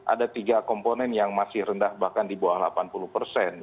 ada tiga komponen yang masih rendah bahkan di bawah delapan puluh persen